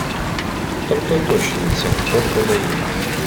Тобто уточнюється, хто подає.